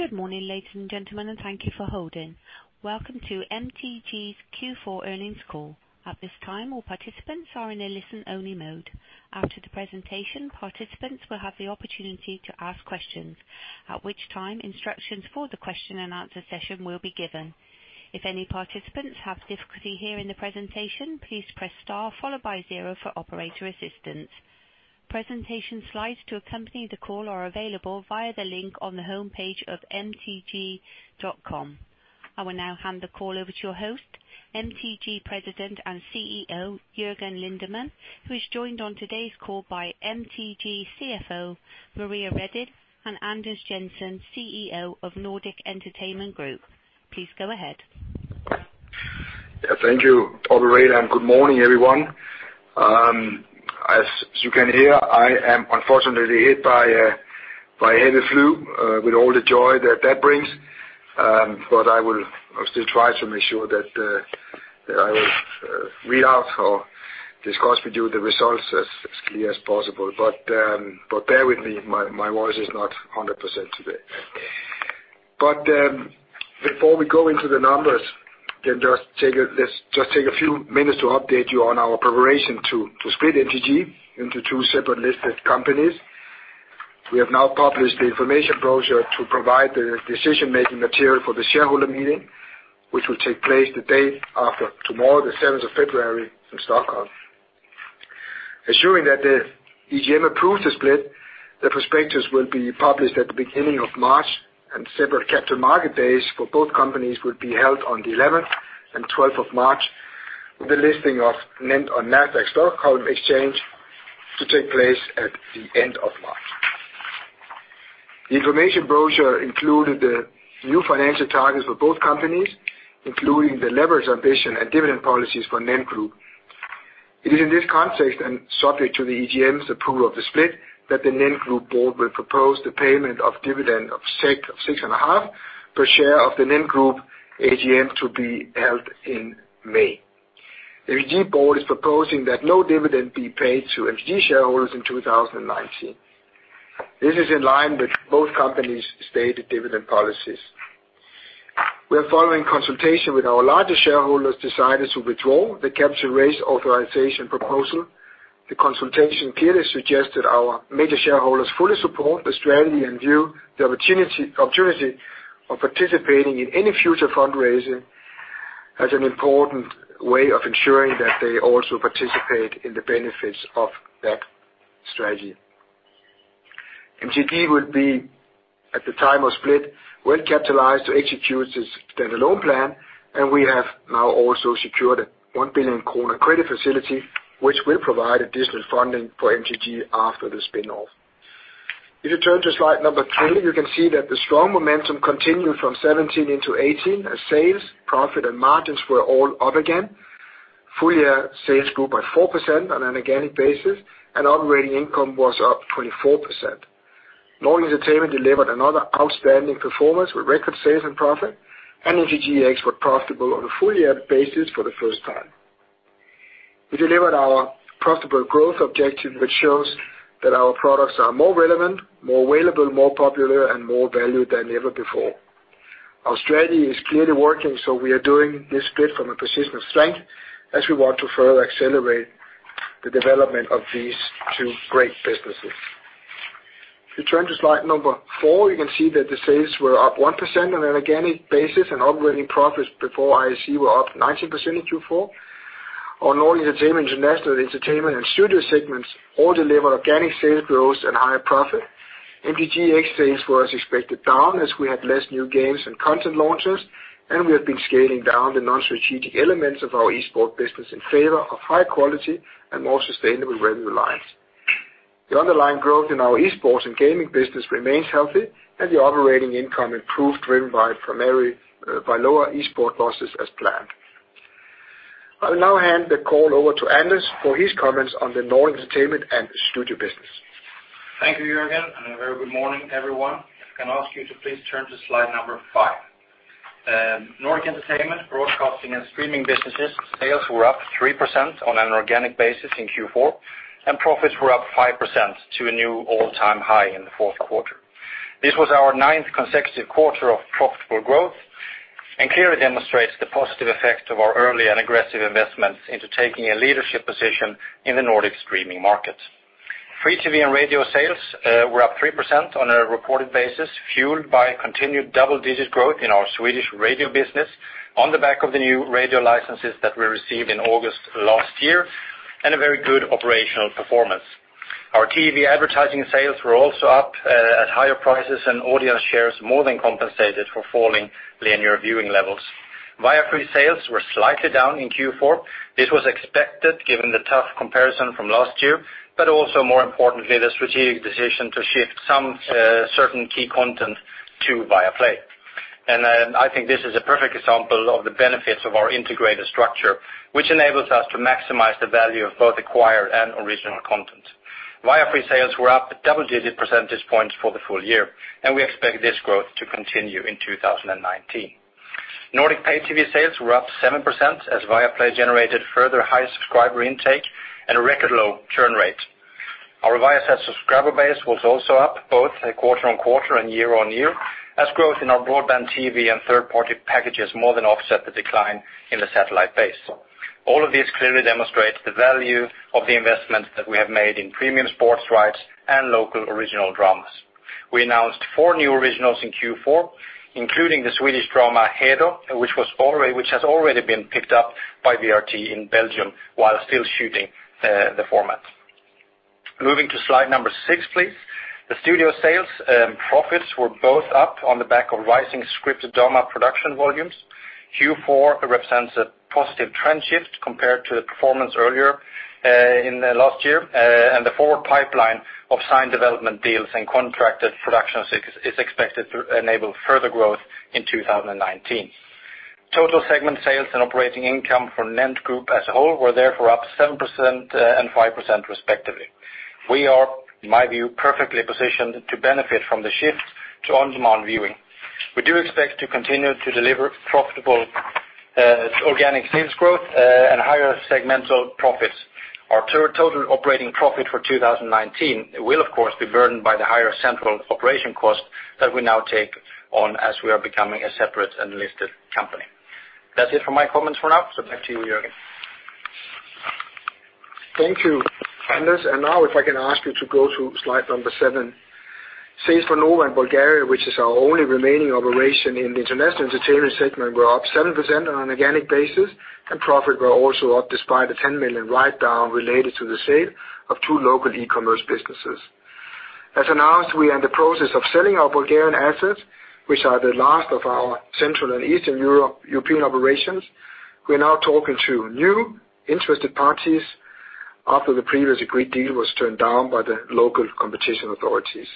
Good morning, ladies and gentlemen, and thank you for holding. Welcome to MTG's Q4 earnings call. At this time, all participants are in a listen-only mode. After the presentation, participants will have the opportunity to ask questions, at which time instructions for the question and answer session will be given. If any participants have difficulty hearing the presentation, please press star followed by zero for operator assistance. Presentation slides to accompany the call are available via the link on the homepage of mtg.com. I will now hand the call over to your host, MTG President and CEO, Jørgen Lindemann, who is joined on today's call by MTG CFO, Maria Redin, and Anders Jensen, CEO of Nordic Entertainment Group. Please go ahead. Thank you, operator. Good morning, everyone. As you can hear, I am unfortunately hit by a heavy flu, with all the joy that that brings. I will still try to make sure that I will read out or discuss with you the results as clearly as possible. Bear with me, my voice is not 100% today. Before we go into the numbers, let's just take a few minutes to update you on our preparation to split MTG into two separate listed companies. We have now published the information brochure to provide the decision-making material for the shareholder meeting, which will take place the day after tomorrow, the 7th of February, in Stockholm. Assuming that the EGM approves the split, the prospectus will be published at the beginning of March, and separate capital market days for both companies will be held on the 11th and 12th of March, with the listing on Nasdaq Stockholm to take place at the end of March. The information brochure included the new financial targets for both companies, including the leverage ambition and dividend policies for NENT Group. It is in this context, and subject to the EGM's approval of the split, that the NENT Group board will propose the payment of dividend of 6.5 per share of the NENT Group AGM to be held in May. MTG board is proposing that no dividend be paid to MTG shareholders in 2019. This is in line with both companies' stated dividend policies. We have, following consultation with our largest shareholders, decided to withdraw the capital raise authorization proposal. The consultation clearly suggests that our major shareholders fully support the strategy and view the opportunity of participating in any future fundraising as an important way of ensuring that they also participate in the benefits of that strategy. MTG will be, at the time of split, well capitalized to execute its standalone plan, and we have now also secured a 1 billion kronor credit facility, which will provide additional funding for MTG after the spin-off. If you turn to slide number two, you can see that the strong momentum continued from 2017 into 2018, as sales, profit, and margins were all up again. Full-year sales grew by 4% on an organic basis, and operating income was up 24%. Nordic Entertainment delivered another outstanding performance with record sales and profit. MTGx were profitable on a full-year basis for the first time. We delivered our profitable growth objective, which shows that our products are more relevant, more available, more popular, and more valued than ever before. Our strategy is clearly working. We are doing this split from a position of strength, as we want to further accelerate the development of these two great businesses. If you turn to slide number four, you can see that the sales were up 1% on an organic basis, and operating profits before IAC were up 19% in Q4. Our Nordic Entertainment, International Entertainment, and Studio segments all deliver organic sales growth and higher profit. MTGx sales were, as expected, down as we had less new games and content launches, and we have been scaling down the non-strategic elements of our esports business in favor of high quality and more sustainable revenue lines. The underlying growth in our esports and gaming business remains healthy, and the operating income improved, driven primarily by lower esports losses as planned. I will now hand the call over to Anders for his comments on the Nordic Entertainment and Studio business. Thank you, Jørgen, and a very good morning, everyone. If I can ask you to please turn to slide number five. Nordic Entertainment broadcasting and streaming businesses sales were up 3% on an organic basis in Q4. Profits were up 5% to a new all-time high in the fourth quarter. This was our 9th consecutive quarter of profitable growth and clearly demonstrates the positive effect of our early and aggressive investments into taking a leadership position in the Nordic streaming market. Free TV and radio sales were up 3% on a reported basis, fueled by continued double-digit growth in our Swedish radio business on the back of the new radio licenses that we received in August last year, and a very good operational performance. Our TV advertising sales were also up at higher prices and audience shares more than compensated for falling linear viewing levels. Viaplay sales were slightly down in Q4. This was expected given the tough comparison from last year, also more importantly, the strategic decision to shift some certain key content to Viaplay. I think this is a perfect example of the benefits of our integrated structure, which enables us to maximize the value of both acquired and original content. Viaplay sales were up at double-digit percentage points for the full year, and we expect this growth to continue in 2019. Nordic pay-TV sales were up 7% as Viaplay generated further high subscriber intake and a record low churn rate. Our Viasat subscriber base was also up, both quarter-on-quarter and year-on-year, as growth in our broadband TV and third-party packages more than offset the decline in the satellite base. All of this clearly demonstrates the value of the investment that we have made in premium sports rights and local original dramas. We announced four new originals in Q4, including the Swedish drama, "Heder", which has already been picked up by VRT in Belgium while still shooting the format. Moving to slide number six, please. The studio sales profits were both up on the back of rising scripted drama production volumes. Q4 represents a positive trend shift compared to the performance earlier in the last year, and the forward pipeline of signed development deals and contracted productions is expected to enable further growth in 2019. Total segment sales and operating income for NENT Group as a whole were therefore up 7% and 5% respectively. We are, in my view, perfectly positioned to benefit from the shift to on-demand viewing. We do expect to continue to deliver profitable organic sales growth and higher segmental profits. Our total operating profit for 2019 will, of course, be burdened by the higher central operation cost that we now take on as we are becoming a separate and listed company. That's it for my comments for now, so back to you, Jørgen. Thank you, Anders. Now if I can ask you to go to slide number seven. Sales for Nova in Bulgaria, which is our only remaining operation in the international entertainment segment, were up 7% on an organic basis, and profit were also up despite a 10 million write-down related to the sale of two local e-commerce businesses. As announced, we are in the process of selling our Bulgarian assets, which are the last of our Central and Eastern European operations. We are now talking to new interested parties after the previously agreed deal was turned down by the local competition authorities.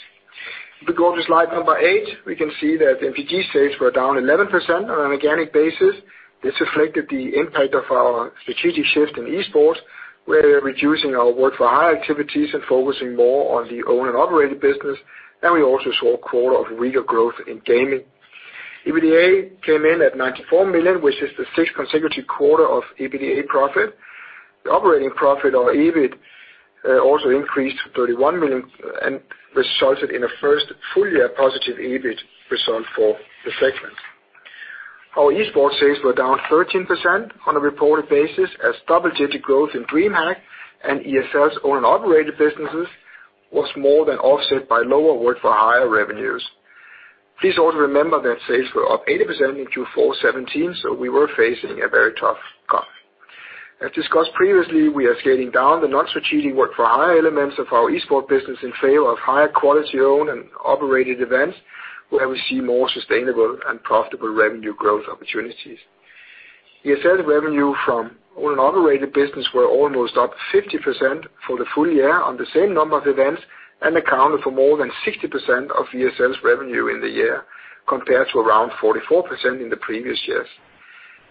If we go to slide number eight, we can see that the MTG sales were down 11% on an organic basis. This reflected the impact of our strategic shift in esports. We're reducing our work-for-hire activities and focusing more on the own and operated business, and we also saw a quarter of real growth in gaming. EBITDA came in at 94 million, which is the sixth consecutive quarter of EBITDA profit. The operating profit, or EBIT, also increased to 31 million and resulted in a first full-year positive EBIT result for the segment. Our esports sales were down 13% on a reported basis as double-digit growth in DreamHack and ESL's own operator businesses was more than offset by lower work-for-hire revenues. Please also remember that sales were up 80% in Q4 2017, so we were facing a very tough comp. As discussed previously, we are scaling down the non-strategic work-for-hire elements of our esports business in favor of higher quality owned and operated events, where we see more sustainable and profitable revenue growth opportunities. ESL revenue from owned and operated business were almost up 50% for the full year on the same number of events and accounted for more than 60% of ESL's revenue in the year, compared to around 44% in the previous years.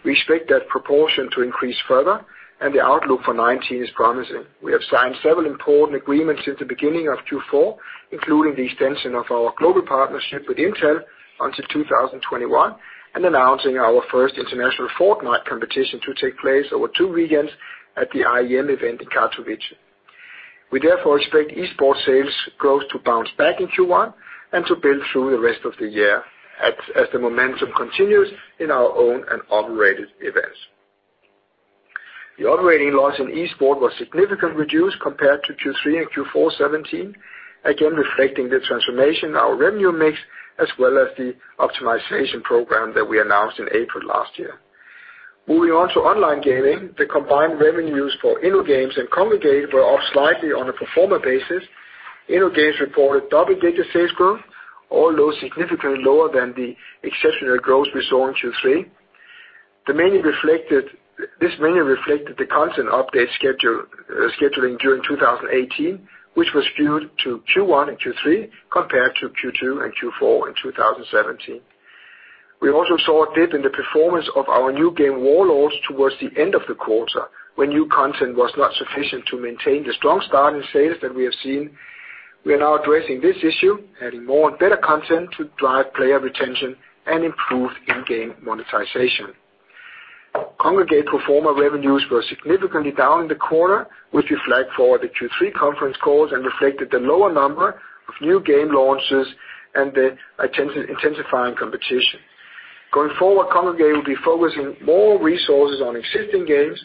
We expect that proportion to increase further, and the outlook for 2019 is promising. We have signed several important agreements since the beginning of Q4, including the extension of our global partnership with Intel until 2021, and announcing our first international Fortnite competition to take place over two weekends at the IEM event in Katowice. We therefore expect esports sales growth to bounce back in Q1 and to build through the rest of the year as the momentum continues in our owned and operated events. The operating loss in esports was significantly reduced compared to Q3 and Q4 2017, again reflecting the transformation in our revenue mix as well as the optimization program that we announced in April last year. Moving on to online gaming, the combined revenues for InnoGames and Kongregate were up slightly on a pro forma basis. InnoGames reported double-digit sales growth, although significantly lower than the exceptional growth we saw in Q3. This mainly reflected the content update scheduling during 2018, which was skewed to Q1 and Q3, compared to Q2 and Q4 in 2017. We also saw a dip in the performance of our new game, Warlords, towards the end of the quarter, when new content was not sufficient to maintain the strong starting sales that we have seen. We are now addressing this issue, adding more and better content to drive player retention and improve in-game monetization. Kongregate pro forma revenues were significantly down in the quarter, which we flagged forward at the Q3 conference call and reflected the lower number of new game launches and the intensifying competition. Going forward, Kongregate will be focusing more resources on existing games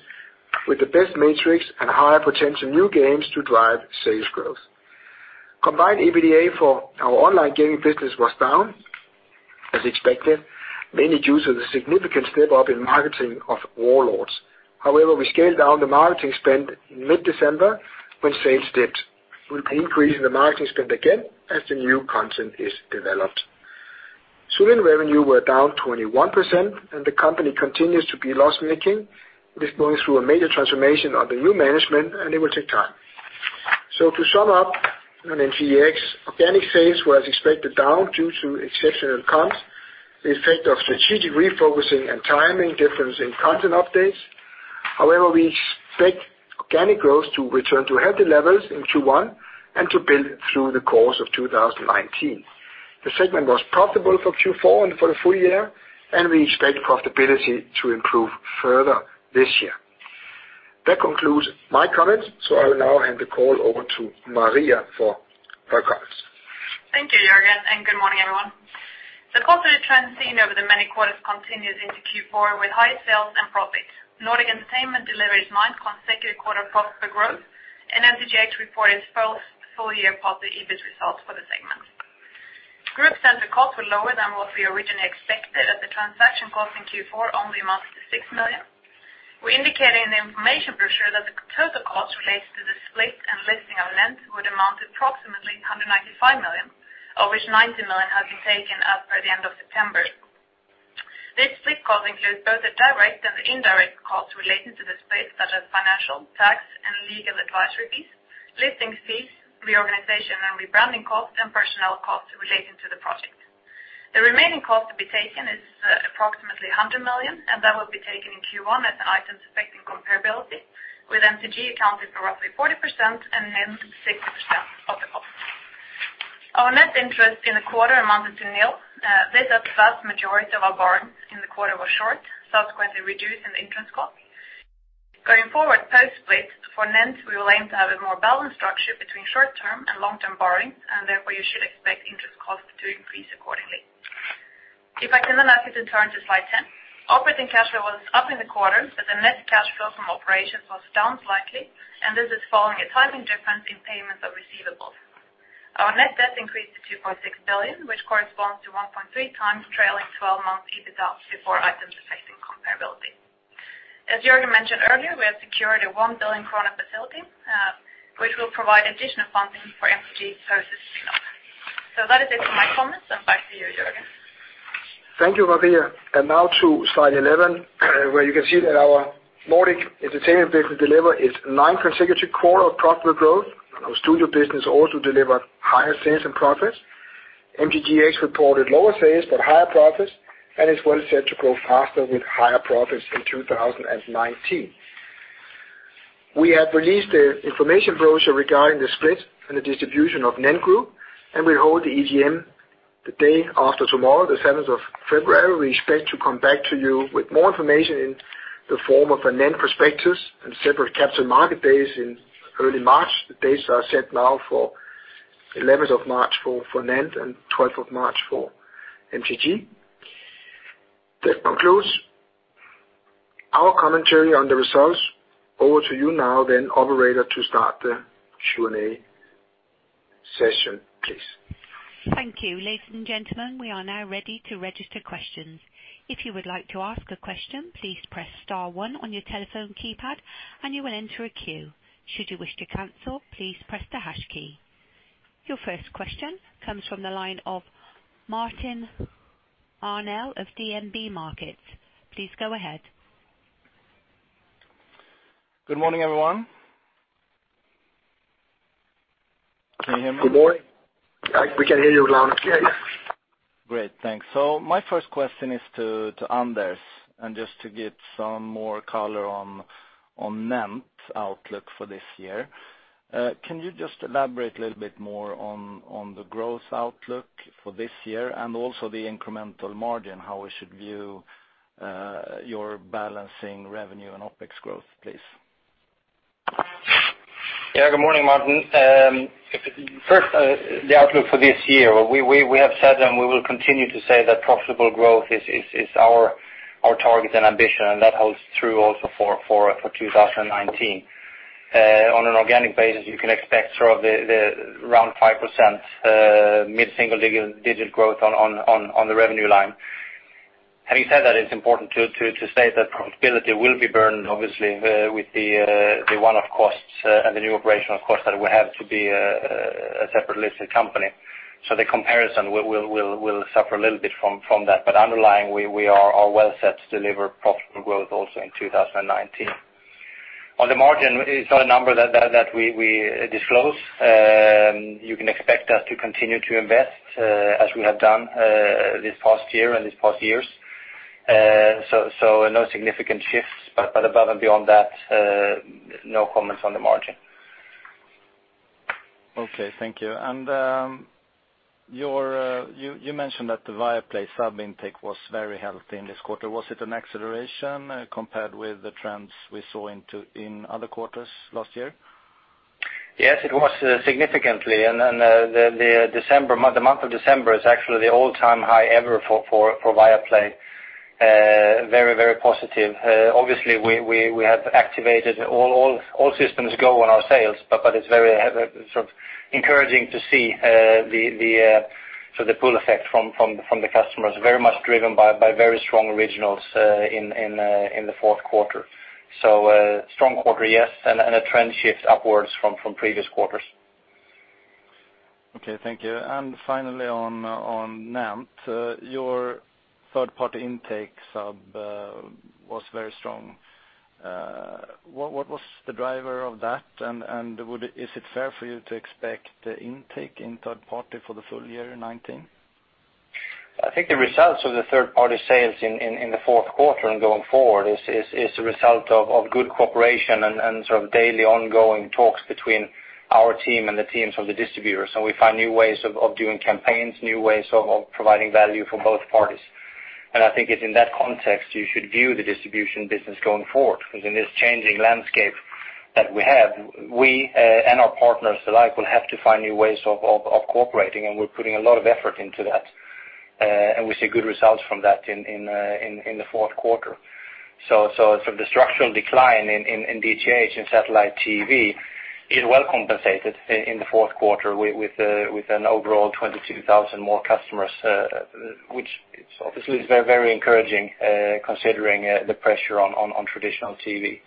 with the best matrix and higher potential new games to drive sales growth. Combined EBITDA for our online gaming business was down, as expected, mainly due to the significant step up in marketing of Warlords. However, we scaled down the marketing spend in mid-December when sales dipped. We'll be increasing the marketing spend again as the new content is developed. Zoomin revenue were down 21%, and the company continues to be loss-making. It is going through a major transformation under new management, and it will take time. To sum up on MTGx, organic sales were, as expected, down due to exceptional comps, the effect of strategic refocusing and timing difference in content updates. However, we expect organic growth to return to healthy levels in Q1 and to build through the course of 2019. The segment was profitable for Q4 and for the full year, and we expect profitability to improve further this year. That concludes my comments, so I will now hand the call over to Maria for her comments. Thank you, Jørgen, and good morning, everyone. The positive trend seen over the many quarters continues into Q4 with higher sales and profits. Nordic Entertainment delivers nine consecutive quarter profitable growth, and MTGx reported its first full year positive EBIT results for the segment. Group central costs were lower than what we originally expected as the transaction cost in Q4 only amounts to 6 million. We indicated in the information brochure that the total cost related to the split and listing of NENT would amount approximately 195 million, of which 90 million has been taken up by the end of September. This split cost includes both the direct and the indirect costs relating to the split, such as financial, tax, and legal advisory fees, listing fees, reorganization and rebranding costs, and personnel costs relating to the project. The remaining cost to be taken is approximately 100 million, and that will be taken in Q1 as an items affecting comparability with MTG accounting for roughly 40% and NENT 60% of the cost. Our net interest in the quarter amounted to nil. This as the vast majority of our borrowings in the quarter was short, subsequently reducing the interest cost. Going forward post-split, for NENT, we will aim to have a more balanced structure between short-term and long-term borrowings, and therefore you should expect interest costs to increase accordingly. If I can then ask you to turn to slide 10. Operating cash flow was up in the quarter, but the net cash flow from operations was down slightly, and this is following a timing difference in payments of receivables. Our net debt increased to 2.6 billion, which corresponds to 1.3x trailing 12-month EBITDA before items affecting comparability. As Jørgen mentioned earlier, we have secured a 1 billion kronor facility, which will provide additional funding for MTG so this is enough. So that is it for my comments, and back to you, Jørgen. Thank you, Maria. Now to slide 11, where you can see that our Nordic Entertainment business deliver its nine consecutive quarter of profitable growth. Our Studio Business also delivered higher sales and profits. MTGx reported lower sales but higher profits and is well set to grow faster with higher profits in 2019. We have released the information brochure regarding the split and the distribution of NENT Group, and we hold the EGM the day after tomorrow, the 7th of February. We expect to come back to you with more information in the form of a NENT prospectus and separate Capital Market Days in early March. The dates are set now for 11th of March for NENT and 12th of March for MTG. That concludes our commentary on the results. Over to you now then operator to start the Q&A session, please. Thank you. Ladies and gentlemen, we are now ready to register questions. If you would like to ask a question, please press star one on your telephone keypad and you will enter a queue. Should you wish to cancel, please press the hash key. Your first question comes from the line of Martin Arnell of DNB Markets. Please go ahead. Good morning, everyone. Can you hear me? Good morning. We can hear you loud and clear, yes. Great, thanks. My first question is to Anders, just to get some more color on NENT outlook for this year. Can you just elaborate a little bit more on the growth outlook for this year and also the incremental margin, how we should view your balancing revenue and OpEx growth, please? Good morning, Martin. First, the outlook for this year. We have said, and we will continue to say that profitable growth is our target and ambition, and that holds true also for 2019. On an organic basis, you can expect around 5%, mid-single-digit growth on the revenue line. Having said that, it's important to state that profitability will be burned, obviously, with the one-off costs and the new operational costs that it will have to be a separately listed company. The comparison will suffer a little bit from that. Underlying, we are well set to deliver profitable growth also in 2019. On the margin, it's not a number that we disclose. You can expect us to continue to invest as we have done this past year and these past years. No significant shifts, but above and beyond that, no comments on the margin. Thank you. You mentioned that the Viaplay sub intake was very healthy in this quarter. Was it an acceleration compared with the trends we saw in other quarters last year? Yes, it was significantly. The month of December is actually the all-time high ever for Viaplay. Very positive. Obviously, we have activated all systems go on our sales, but it's very encouraging to see the pull effect from the customers, very much driven by very strong originals in the fourth quarter. Strong quarter, yes, and a trend shift upwards from previous quarters. Thank you. Finally on NENT, your third-party intake sub was very strong. What was the driver of that, and is it fair for you to expect the intake in third party for the full year in 2019? I think the results of the third-party sales in the fourth quarter and going forward is a result of good cooperation and sort of daily ongoing talks between our team and the teams from the distributors. We find new ways of doing campaigns, new ways of providing value for both parties. I think it's in that context, you should view the distribution business going forward, because in this changing landscape that we have, we and our partners alike will have to find new ways of cooperating, and we're putting a lot of effort into that. We see good results from that in the fourth quarter. The structural decline in DTH and satellite TV is well compensated in the fourth quarter with an overall 22,000 more customers, which obviously is very encouraging, considering the pressure on traditional TV.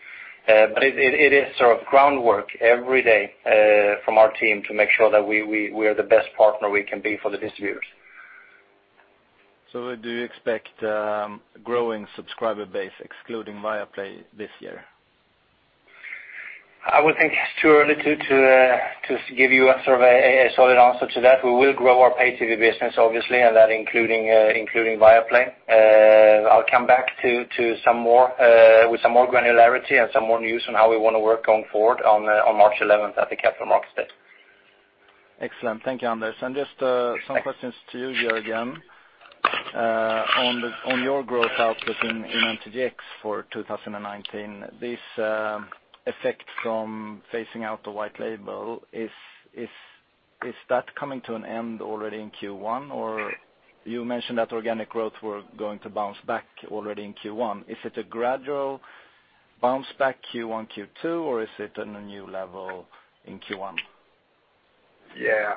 It is sort of groundwork every day from our team to make sure that we are the best partner we can be for the distributors. Do you expect a growing subscriber base excluding Viaplay this year? I would think it's too early to give you a solid answer to that. We will grow our pay TV business, obviously, and that including Viaplay. I'll come back with some more granularity and some more news on how we want to work going forward on March 11th at the Capital Market Day. Excellent. Thank you, Anders. Just some questions to you, Jørgen. On your growth outlook in MTGx for 2019, this effect from phasing out the white label, is that coming to an end already in Q1? You mentioned that organic growth were going to bounce back already in Q1. Is it a gradual bounce back Q1, Q2, or is it on a new level in Q1? Yeah.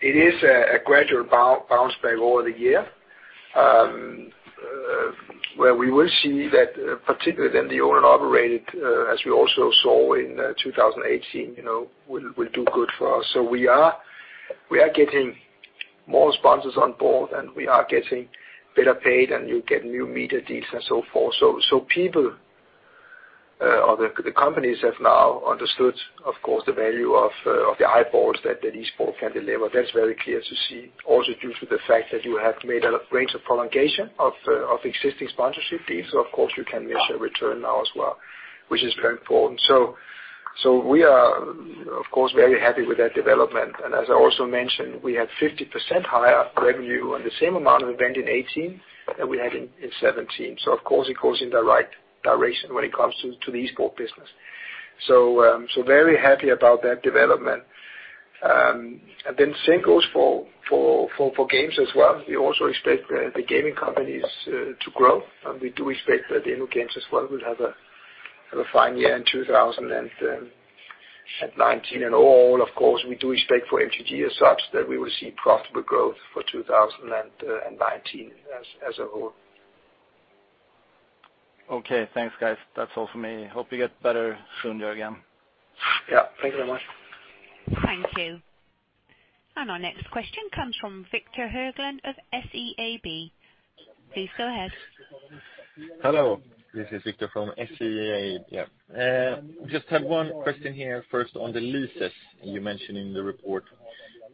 It is a gradual bounce back over the year, where we will see that particularly then the owned and operated, as we also saw in 2018, will do good for us. We are getting more sponsors on board, and we are getting better paid, and you get new media deals and so forth. The companies have now understood, of course, the value of the eyeballs that esport can deliver. That's very clear to see. Also due to the fact that you have made a range of prolongation of existing sponsorship deals, of course, you can measure return now as well, which is very important. We are, of course, very happy with that development. As I also mentioned, we had 50% higher revenue on the same amount of event in 2018 that we had in 2017. Of course, it goes in the right direction when it comes to the esport business. Very happy about that development. Same goes for games as well. We also expect the gaming companies to grow. We do expect that InnoGames as well will have a fine year in 2019. All, of course, we do expect for MTG as such that we will see profitable growth for 2019 as a whole. Okay. Thanks, guys. That's all for me. Hope you get better soon, Jørgen. Thank you very much. Thank you. Our next question comes from Victor Höglund of SEB. Please go ahead. Hello. This is Victor from SEB. Just have one question here first on the leases you mentioned in the report.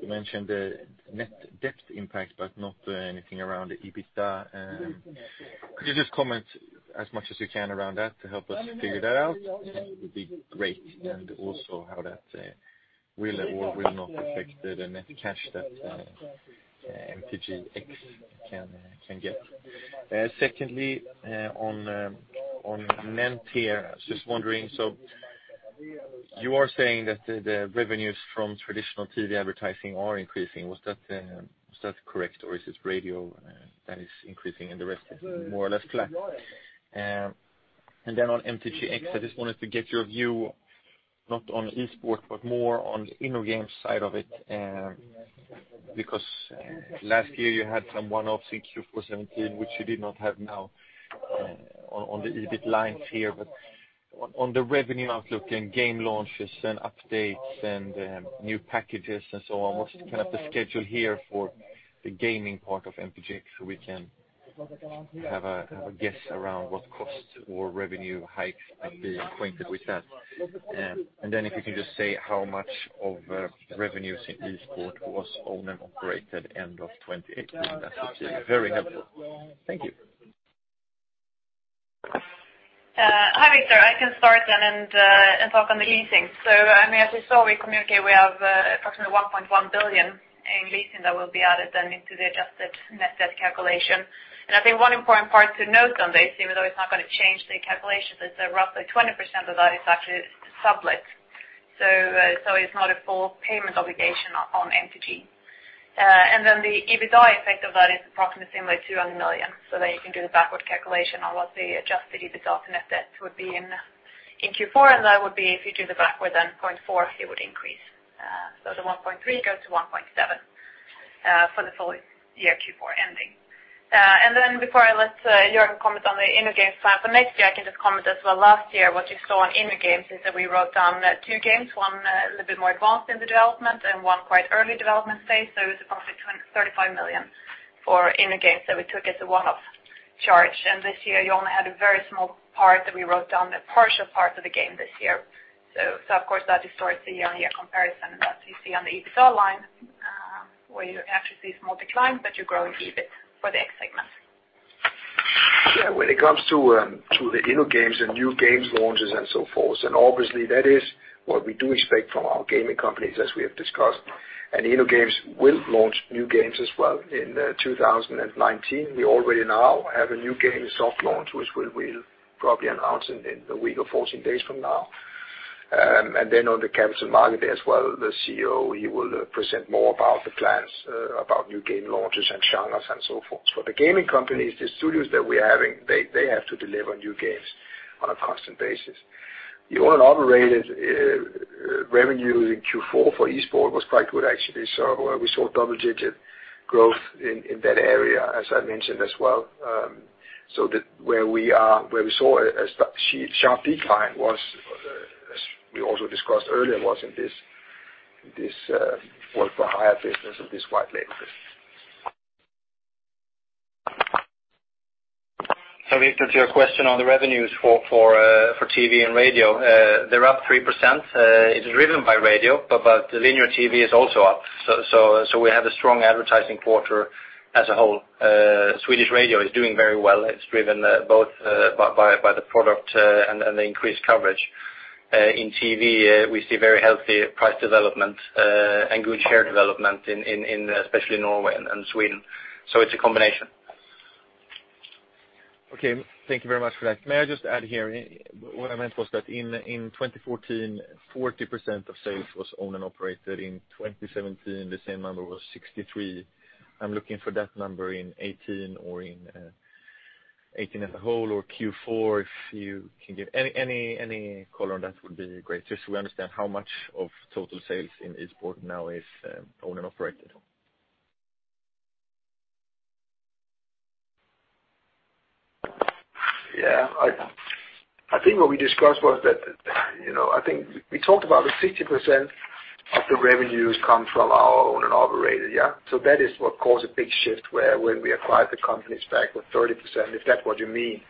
You mentioned the net debt impact, but not anything around the EBITDA. Could you just comment as much as you can around that to help us figure that out? That would be great, and also how that will or will not affect the net cash that MTGx can get. Secondly, on NENT here, I was just wondering, you are saying that the revenues from traditional TV advertising are increasing. Was that correct, or is it radio that is increasing and the rest is more or less flat? On MTGx, I just wanted to get your view, not on esport, but more on InnoGames side of it, because last year you had some one-offs in Q4 2017, which you did not have now on the EBIT lines here. On the revenue outlook and game launches and updates and new packages and so on, what's kind of the schedule here for the gaming part of MTG so we can have a guess around what cost or revenue hike and be acquainted with that? If you can just say how much of revenues in esport was owned and operated end of 2018, that would be very helpful. Thank you. Hi, Victor. I can start and talk on the leasing. As you saw, we communicate we have approximately 1.1 billion in leasing that will be added into the adjusted net debt calculation. I think one important part to note on this, even though it's not going to change the calculation, is that roughly 20% of that is actually sublet. It's not a full payment obligation on MTG. The EBITDA effect of that is approximately 200 million. You can do the backward calculation on what the adjusted EBITDA and net debt would be in Q4, and that would be, if you do the backward, 0.4 it would increase. The 1.3 goes to 1.7 for the full year Q4 ending. Before I let Jørgen comment on the InnoGames plan for next year, I can just comment as well, last year what you saw on InnoGames is that we wrote down two games, one a little bit more advanced in the development and one quite early development phase. It's approximately 35 million for InnoGames that we took as a one-off charge. This year you only had a very small part that we wrote down, the partial part of the game this year. Of course, that distorts the year-on-year comparison that you see on the EBITDA line, where you actually see a small decline, but you're growing EBIT for the X segment. When it comes to the InnoGames and new games launches and so forth, that is what we do expect from our gaming companies, as we have discussed. InnoGames will launch new games as well in 2019. We already now have a new game soft launch, which we'll probably announce in a week or 14 days from now. On the capital market as well, the CEO, he will present more about the plans, about new game launches and genres and so forth. For the gaming companies, the studios that we're having, they have to deliver new games on a constant basis. The owned and operated revenues in Q4 for esports was quite good, actually. We saw double-digit growth in that area, as I mentioned as well. Where we saw a sharp decline was, as we also discussed earlier, in this work for hire business and this white label business. Victor, to your question on the revenues for TV and radio. They're up 3%. It is driven by radio, but the linear TV is also up. We have a strong advertising quarter as a whole. Swedish radio is doing very well. It's driven both by the product and the increased coverage. In TV, we see very healthy price development, and good share development especially in Norway and Sweden. It's a combination. Okay. Thank you very much for that. May I just add here, what I meant was that in 2014, 40% of sales was owned and operated. In 2017, the same number was 63%. I'm looking for that number in 2018, or in 2018 as a whole, or Q4. If you can give any color on that would be great. We understand how much of total sales in esports now is owned and operated. Yeah. What we discussed was that, I think we talked about the 60% of the revenues come from our owned and operated, yeah? That is what caused a big shift where when we acquired the companies back with 30%, if that's what you mean.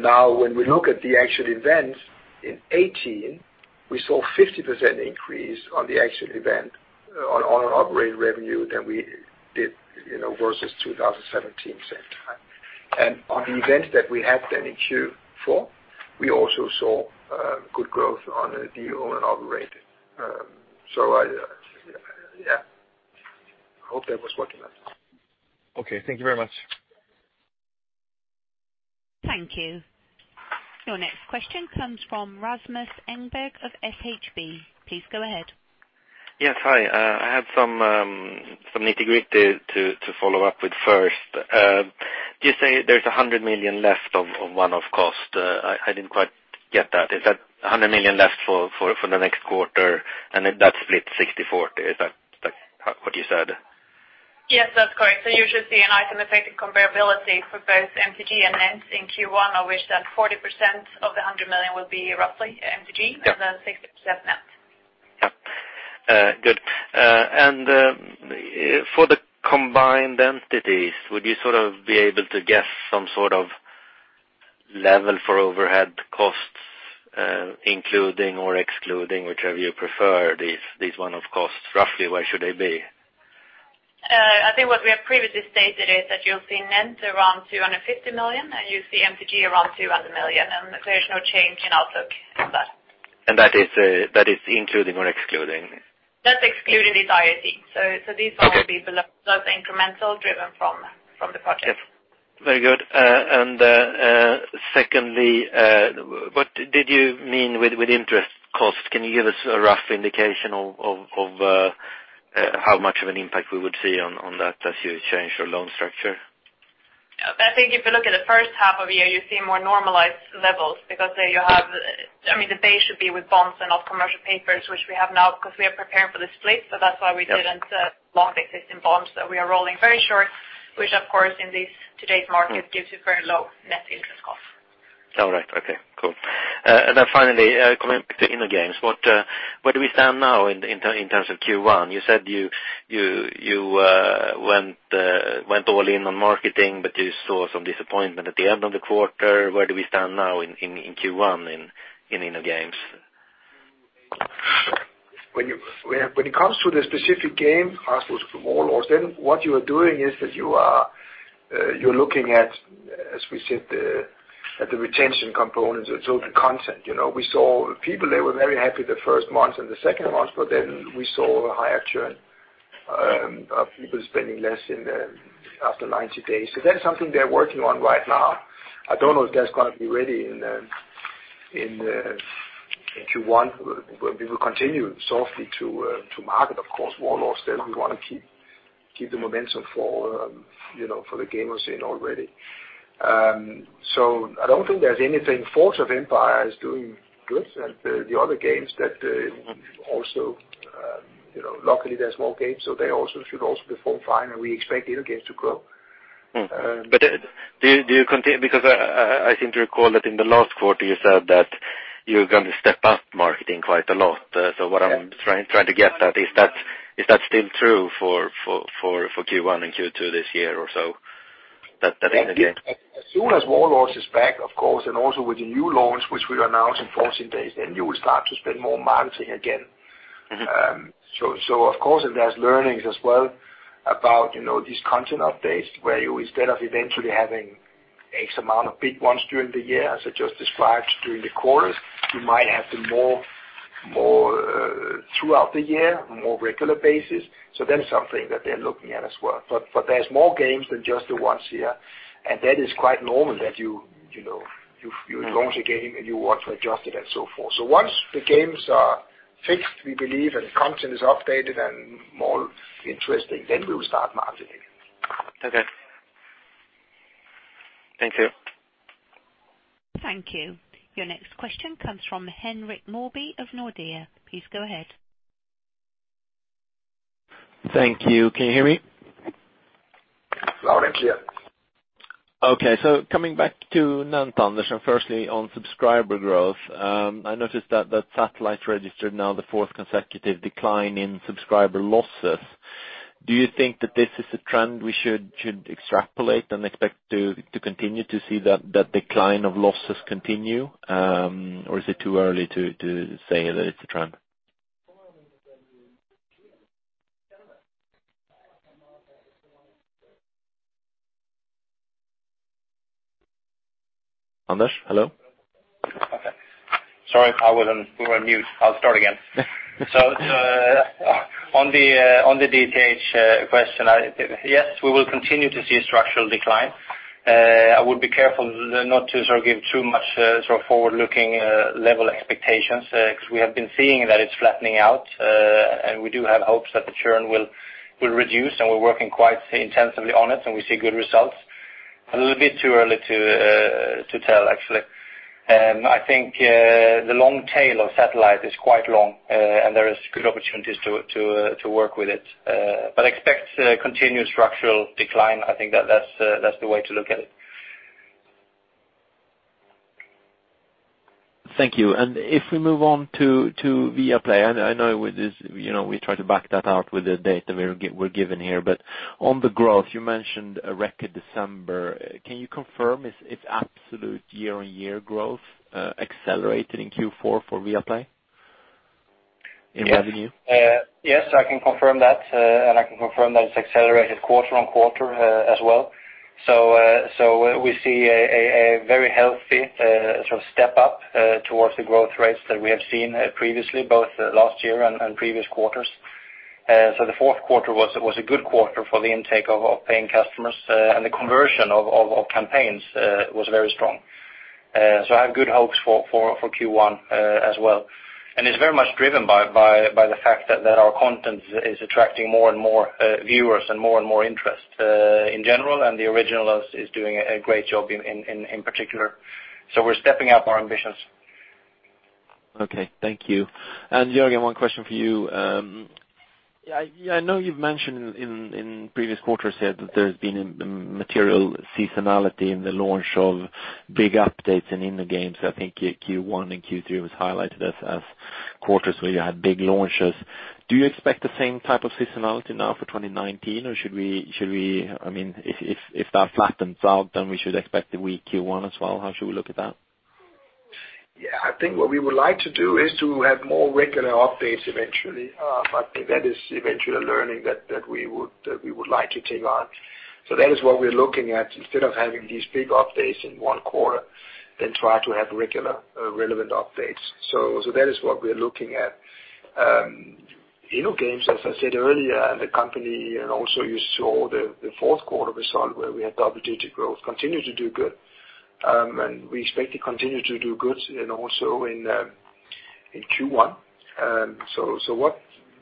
Now when we look at the actual events in 2018, we saw 50% increase on the actual event on owned and operated revenue than we did versus 2017 same time. On the events that we had then in Q4, we also saw good growth on the owned and operated. Yeah. I hope that was what you meant. Okay. Thank you very much. Thank you. Your next question comes from Rasmus Engberg of SHB. Please go ahead. Yes. Hi. I had some nitty-gritty to follow up with first. You say there's 100 million left of one-off cost. I didn't quite get that. Is that 100 million left for the next quarter, and if that's split 60-40, is that what you said? Yes, that's correct. You should see an items affecting comparability for both MTG and NENT in Q1, of which that 40% of the 100 million will be roughly MTG, and then 60% NENT. Yep. Good. For the combined entities, would you sort of be able to guess some sort of level for overhead costs, including or excluding, whichever you prefer, these one-off costs. Roughly, where should they be? I think what we have previously stated is that you'll see NENT Group around 250 million. You see MTG around 200 million. There's no change in outlook on that. That is including or excluding? That's excluding these IAC. Okay. These will all be below. Those are incremental, driven from the project. Yes. Very good. Secondly, what did you mean with interest cost? Can you give us a rough indication of how much of an impact we would see on that as you change your loan structure? I think if you look at the first half of the year, you see more normalized levels because there you have. The base should be with bonds and of commercial papers, which we have now because we are preparing for the split. That's why we didn't long existing bonds that we are rolling very short, which of course in this today's market gives you very low net interest cost. All right. Okay, cool. Finally, coming back to InnoGames, where do we stand now in terms of Q1? You said you went all in on marketing, but you saw some disappointment at the end of the quarter. Where do we stand now in Q1 in InnoGames? When it comes to the specific game, as was Warlords, what you are doing is that you're looking at, as we said, at the retention components of total content. We saw people, they were very happy the first month and the second month, we saw a higher churn of people spending less after 90 days. That is something they're working on right now. I don't know if that's going to be ready in Q1. We will continue softly to market, of course, Warlords, we want to keep the momentum for the gamers in already. I don't think there's anything. Forge of Empires is doing good. The other games that also, luckily they're small games, they should also perform fine. We expect InnoGames to grow. Because I seem to recall that in the last quarter you said that- You're going to step up marketing quite a lot. What I'm trying to get at, is that still true for Q1 and Q2 this year or so? As soon as Warlords is back, of course, and also with the new launch, which we'll announce in 14 days, you will start to spend more marketing again. Of course, there's learnings as well about these content updates, where you, instead of eventually having X amount of big ones during the year, as I just described during the quarters, you might have them more throughout the year, more regular basis. That is something that they're looking at as well. There's more games than just the ones here, and that is quite normal that you launch a game, and you want to adjust it and so forth. Once the games are fixed, we believe, and the content is updated and more interesting, we will start marketing. Okay. Thank you. Thank you. Your next question comes from Henrik Mawby of Nordea. Please go ahead. Thank you. Can you hear me? Loud and clear. Coming back to NENT, Anders, and firstly on subscriber growth. I noticed that Satellite registered now the fourth consecutive decline in subscriber losses. Do you think that this is a trend we should extrapolate and expect to continue to see that decline of losses continue? Is it too early to say that it's a trend? Hello? Sorry, we were on mute. I'll start again. On the DTH question, yes, we will continue to see a structural decline. I would be careful not to give too much forward-looking level expectations, because we have been seeing that it's flattening out. We do have hopes that the churn will reduce, we're working quite intensively on it, we see good results. A little bit too early to tell, actually. I think the long tail of Satellite is quite long, and there is good opportunities to work with it. Expect continued structural decline. I think that's the way to look at it. Thank you. If we move on to Viaplay, I know we try to back that up with the data we're given here. On the growth, you mentioned a record December. Can you confirm if absolute year-on-year growth accelerated in Q4 for Viaplay? In revenue. Yes, I can confirm that. I can confirm that it's accelerated quarter-on-quarter as well. We see a very healthy step up towards the growth rates that we have seen previously, both last year and previous quarters. The fourth quarter was a good quarter for the intake of paying customers, and the conversion of campaigns was very strong. I have good hopes for Q1 as well. It's very much driven by the fact that our content is attracting more and more viewers and more and more interest in general, and the original is doing a great job in particular. We're stepping up our ambitions. Okay. Thank you. Jørgen, one question for you. I know you've mentioned in previous quarters here that there's been a material seasonality in the launch of big updates in InnoGames. I think Q1 and Q3 was highlighted as quarters where you had big launches. Do you expect the same type of seasonality now for 2019, or if that flattens out, then we should expect a weak Q1 as well. How should we look at that? I think what we would like to do is to have more regular updates eventually. I think that is eventually a learning that we would like to take on. That is what we're looking at, instead of having these big updates in one quarter, then try to have regular relevant updates. That is what we're looking at. InnoGames, as I said earlier, the company and also you saw the fourth quarter result where we had double-digit growth continue to do good. We expect to continue to do good and also in Q1.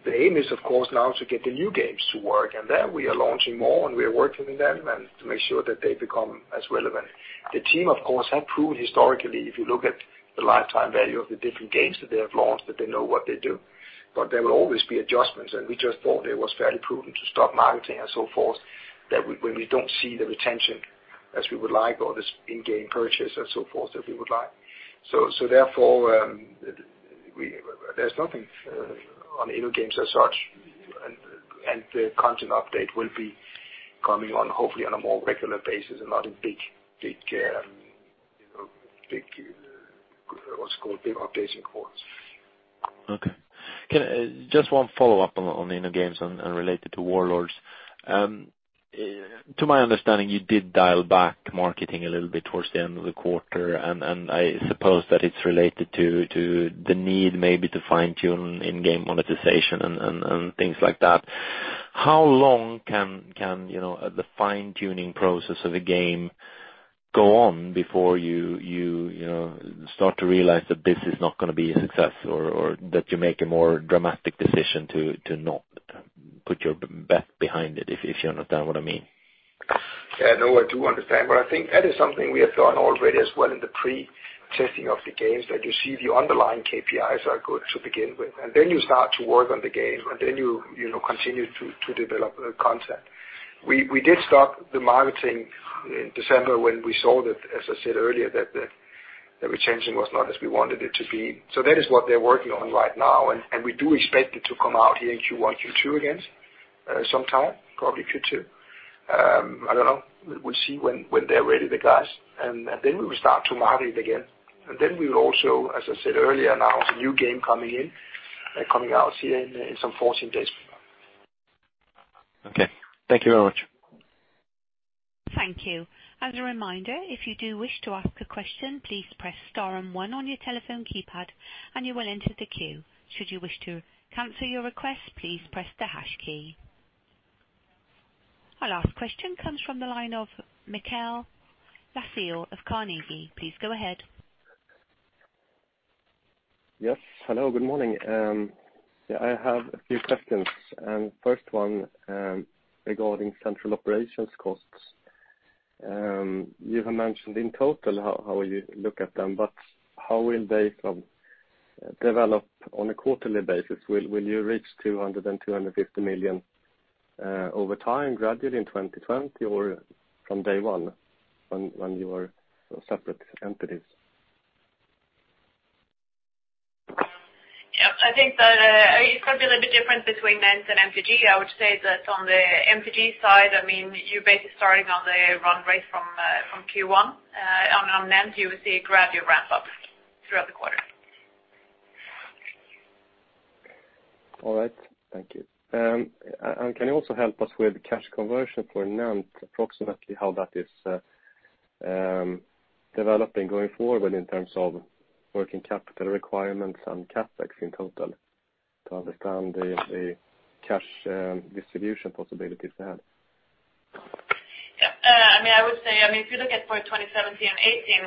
The aim is of course now to get the new games to work, and there we are launching more, and we are working with them and to make sure that they become as relevant. The team of course have proved historically, if you look at the lifetime value of the different games that they have launched, that they know what they do. There will always be adjustments, and we just thought it was fairly prudent to stop marketing and so forth when we don't see the retention as we would like or this in-game purchase and so forth as we would like. Therefore, there's nothing on InnoGames as such, and the content update will be coming on hopefully on a more regular basis and not in big updates in quarters. Okay. Just one follow-up on InnoGames and related to Warlords. To my understanding, you did dial back marketing a little bit towards the end of the quarter, and I suppose that it's related to the need maybe to fine-tune in-game monetization and things like that. How long can the fine-tuning process of a game go on before you start to realize that this is not going to be a success or that you make a more dramatic decision to not put your bet behind it, if you understand what I mean? I do understand. I think that is something we have done already as well in the pre-testing of the games that you see the underlying KPIs are good to begin with. You start to work on the game, you continue to develop the content. We did stop the marketing in December when we saw that, as I said earlier, that the retention was not as we wanted it to be. That is what they're working on right now, and we do expect it to come out in Q1, Q2 again, sometime, probably Q2. I don't know. We'll see when they're ready, the guys. We will start to market it again. We will also, as I said earlier, announce a new game coming in, coming out here in some 14 days. Okay. Thank you very much. Thank you. As a reminder, if you do wish to ask a question, please press star and one on your telephone keypad, and you will enter the queue. Should you wish to cancel your request, please press the hash key. Our last question comes from the line of Mikael Laséen of Carnegie. Please go ahead. Yes. Hello, good morning. I have a few questions. First one regarding central operations costs. You have mentioned in total how you look at them, how will they develop on a quarterly basis? Will you reach 200 million and 250 million over time gradually in 2020 or from day one when you are separate entities? I think that it's going to be a little bit different between NENT and MTG. I would say that on the MTG side, you're basically starting on the run rate from Q1. On NENT, you will see a gradual ramp-up throughout the quarter. All right, thank you. Can you also help us with cash conversion for NENT, approximately how that is developing going forward in terms of working capital requirements and CapEx in total to understand the cash distribution possibilities there? I would say, if you look at for 2017 and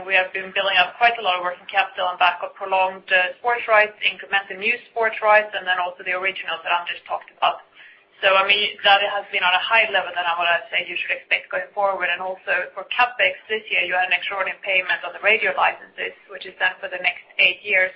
2018, we have been building up quite a lot of working capital on the back of prolonged sports rights, incremental new sports rights, and then also the originals that Anders talked about. That has been on a higher level than I want to say you should expect going forward. Also for CapEx this year, you had an extraordinary payment on the radio licenses, which is done for the next eight years.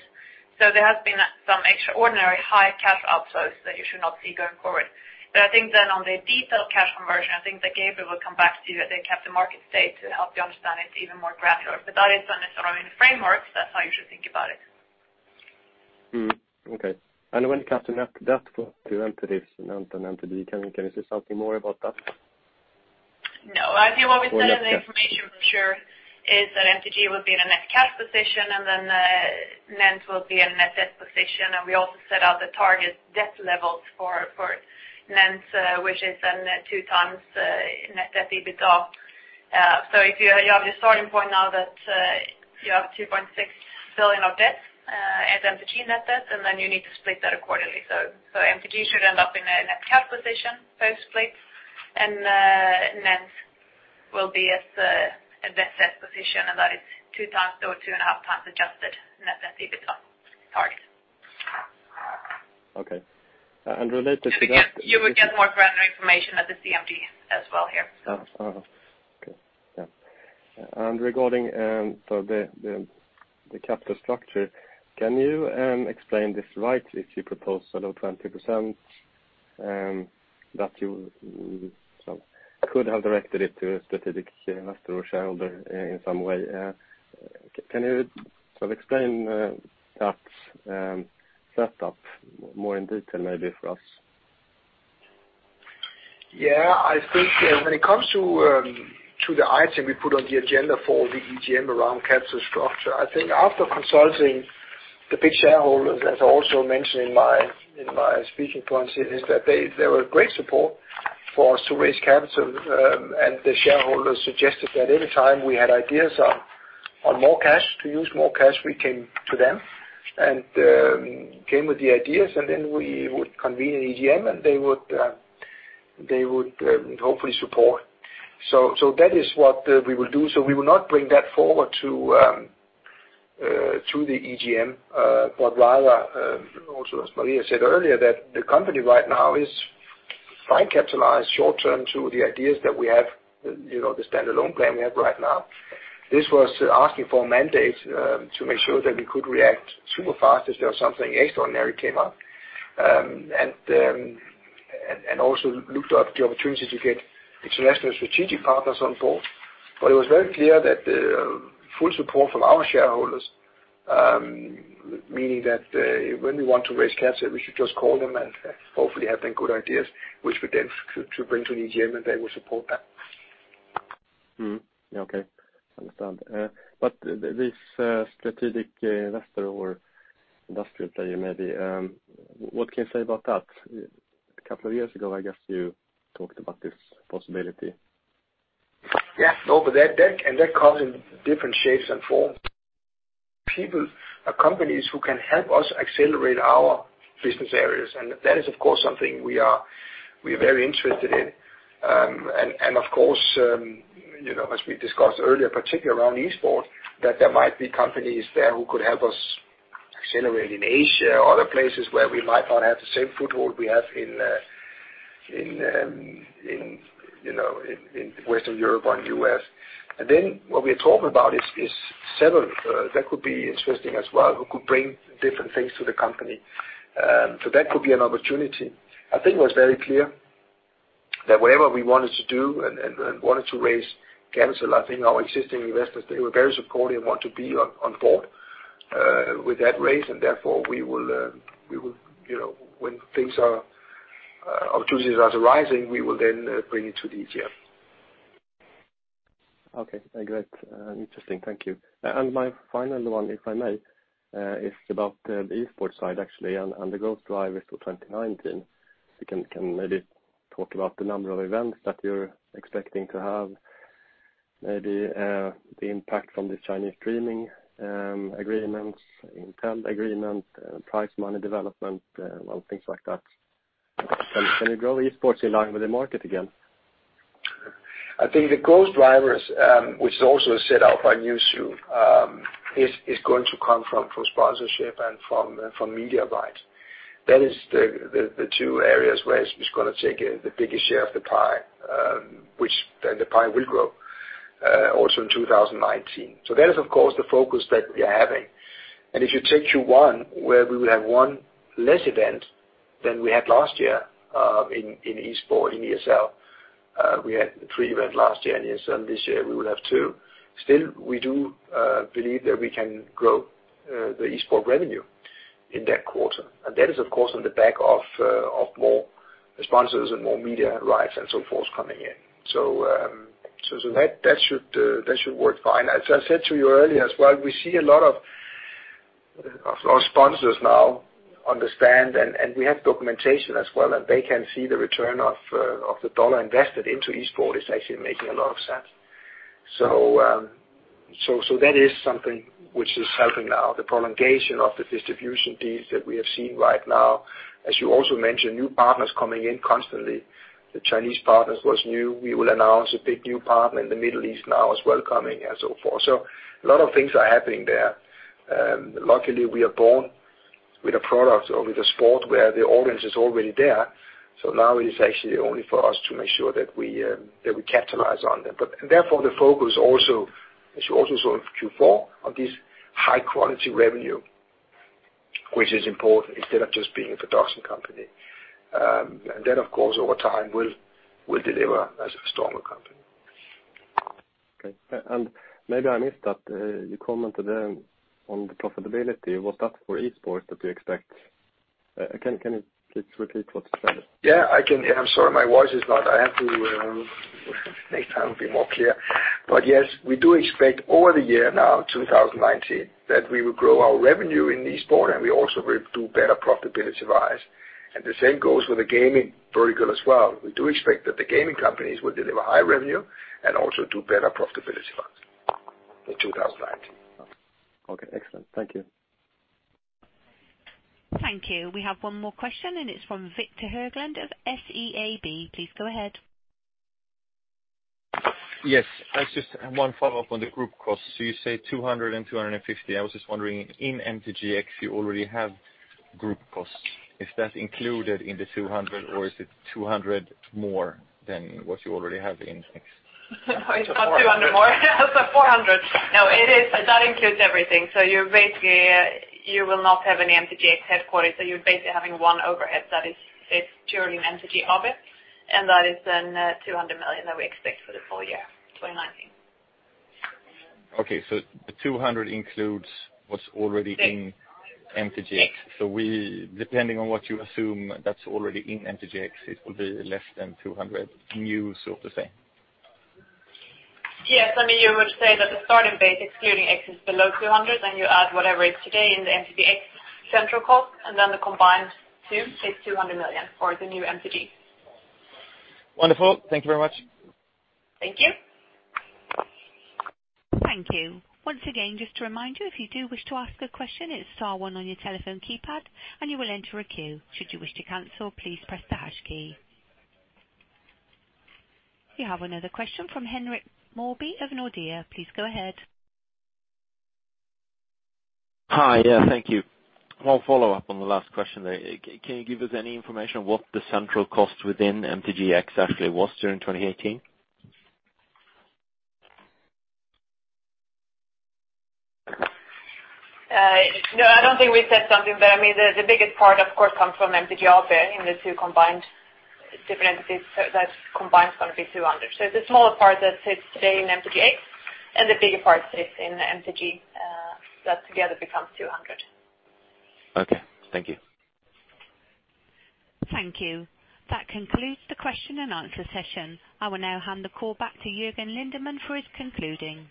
There has been some extraordinary high cash outflows that you should not see going forward. I think then on the detailed cash conversion, I think that Gabriel will come back to you at the Capital Markets Day to help you understand it even more granular. That is necessarily the framework. That's how you should think about it. Okay. When it comes to net debt for two entities, NENT and MTG, can you say something more about that? I think what we said in the information brochure is that MTG will be in a net cash position, NENT will be in a net debt position, and we also set out the target debt levels for NENT, which is then 2x net debt EBITDA. If you have your starting point now that you have 2.6 billion of debt as MTG net debt, then you need to split that accordingly. MTG should end up in a net cash position, post-split, and NENT will be at the net debt position, and that is 2x or 2.5x adjusted net debt EBITDA target. Okay. Related to that. You will get more granular information at the CMD as well here. Okay. Yeah. Regarding the capital structure, can you explain this right, if you propose below 20%, that you could have directed it to a specific shareholder in some way? Can you explain that setup more in detail maybe for us? I think when it comes to the item we put on the agenda for the EGM around capital structure, I think after consulting the big shareholders, as I also mentioned in my speaking points here, is that there were great support for us to raise capital, and the shareholders suggested that any time we had ideas on more cash, to use more cash, we came to them and came with the ideas, and then we would convene an EGM, and they would hopefully support. That is what we will do. We will not bring that forward to the EGM, but rather, also as Maria said earlier, that the company right now is fine capitalized short term to the ideas that we have, the standalone plan we have right now. This was asking for a mandate to make sure that we could react super fast if there was something extraordinary came up, and also looked at the opportunity to get international strategic partners on board. It was very clear that the full support from our shareholders, meaning that when we want to raise capital, we should just call them and hopefully have then good ideas, which we then to bring to an EGM, and they will support that. Okay. Understand. This strategic investor or industrial player, maybe, what can you say about that? A couple of years ago, I guess you talked about this possibility. That can then come in different shapes and forms. People are companies who can help us accelerate our business areas. That is, of course, something we are very interested in. Of course, as we discussed earlier, particularly around esports, that there might be companies there who could help us accelerate in Asia or other places where we might not have the same foothold we have in Western Europe and U.S. Then what we are talking about is several that could be interesting as well, who could bring different things to the company. That could be an opportunity. I think it was very clear that whatever we wanted to do and wanted to raise capital, I think our existing investors, they were very supportive and want to be on board with that raise. Therefore, when opportunities are rising, we will then bring it to the EGM. Okay, great. Interesting. Thank you. My final one, if I may, is about the esports side, actually, and the growth drivers for 2019. You can maybe talk about the number of events that you're expecting to have, maybe the impact from the Chinese streaming agreements, Intel agreement, prize money development, well, things like that. Can you grow esports in line with the market again? I think the growth drivers, which is also set out by Newzoo, is going to come from sponsorship and from media rights. That is the two areas where it's going to take the biggest share of the pie, which then the pie will grow, also in 2019. That is, of course, the focus that we are having. If you take Q1, where we will have one less event than we had last year in esports, in ESL, we had three events last year in ESL, and this year we will have two. Still, we do believe that we can grow the esports revenue in that quarter. That is, of course, on the back of more sponsors and more media rights and so forth coming in. That should work fine. As I said to you earlier as well, we see a lot of our sponsors now understand. We have documentation as well, and they can see the return of the dollar invested into esports is actually making a lot of sense. That is something which is helping now, the prolongation of the distribution deals that we have seen right now. As you also mentioned, new partners coming in constantly. The Chinese partners was new. We will announce a big new partner in the Middle East now as well, coming, and so forth. A lot of things are happening there. Luckily, we are born with a product or with a sport where the audience is already there. Now it is actually only for us to make sure that we capitalize on them. Therefore, the focus also, as you also saw in Q4, on this high-quality revenue, which is important, instead of just being a production company. That, of course, over time, will deliver us a stronger company. Okay. Maybe I missed that, you commented on the profitability. Was that for esports that you expect? Can you please repeat what you said? Yeah, I can. I'm sorry, Next time I'll be more clear. Yes, we do expect over the year now, 2019, that we will grow our revenue in esports, and we also will do better profitability-wise. The same goes for the gaming vertical as well. We do expect that the gaming companies will deliver high revenue and also do better profitability-wise in 2019. Okay. Excellent. Thank you. Thank you. We have one more question. It is from Victor Höglund of SEB. Please go ahead. Yes. I just have one follow-up on the group costs. You say 200 million and 250 million. I was just wondering, in MTGX, you already have group costs. Is that included in the 200 million or is it 200 million more than what you already have in X? It is not SEK 200 million more. It is SEK 400. No, that includes everything. You basically will not have any MTGX headquarters. You are basically having one overhead that sits during MTG AB. That is 200 million that we expect for the full year 2019. Okay. The 200 million includes what is already in MTGx. Yes. Depending on what you assume that's already in MTGx, it will be less than 200 million new, so to say. Yes. I mean, you would say that the starting base, excluding X, is below 200 million, and you add whatever is today in the MTGx central cost, and then the combined two is 200 million for the new MTG. Wonderful. Thank you very much. Thank you. Thank you. Once again, just to remind you, if you do wish to ask a question, it's star one on your telephone keypad and you will enter a queue. Should you wish to cancel, please press the hash key. We have another question from Henrik Mawby of Nordea. Please go ahead. Hi. Yeah, thank you. One follow-up on the last question there. Can you give us any information on what the central cost within MTGx actually was during 2018? No, I don't think we said something, I mean, the biggest part, of course, comes from MTG AB in the two combined different entities. That combined is going to be 200 million. It's the smaller part that sits today in MTGx and the bigger part sits in MTG, that together becomes 200 million. Okay. Thank you. Thank you. That concludes the question and answer session. I will now hand the call back to Jørgen Lindemann for his concluding.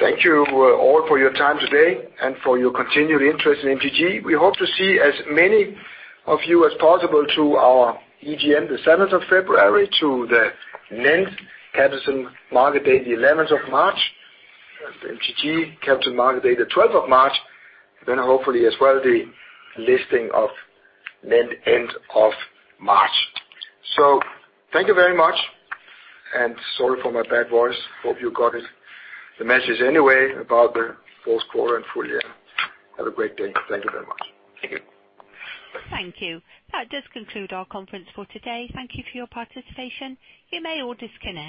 Thank you all for your time today and for your continued interest in MTG. We hope to see as many of you as possible to our EGM, the 7th of February, to the NENT Capital Market Day, the 11th of March, MTG Capital Market Day, the 12th of March. Hopefully as well, the listing of NENT end of March. Thank you very much, and sorry for my bad voice. Hope you got the message anyway about the fourth quarter and full year. Have a great day. Thank you very much. Thank you. Thank you. That does conclude our conference for today. Thank you for your participation. You may all disconnect.